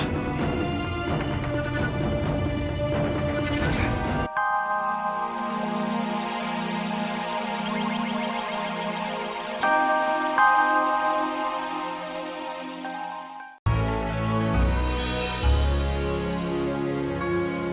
sampai jumpa lagi